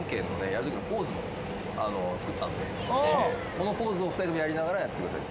このポーズを２人ともやりながらやってください。